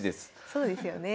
そうですよね。